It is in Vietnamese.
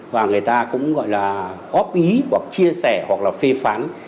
và người ta cũng gọi là góp ý hoặc chia sẻ hoặc là phê phán